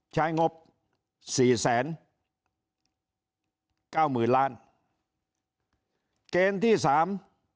งบสี่แสนเก้าหมื่นล้านเกณฑ์ที่สาม